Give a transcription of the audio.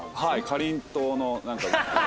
かりんとうの何か。